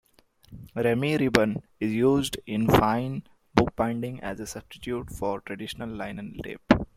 Ramie ribbon is used in fine bookbinding as a substitute for traditional linen tape.